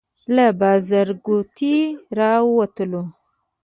له بازارګوټي راووتلو.